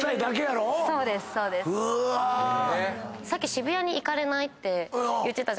渋谷に行かれないって言ってた。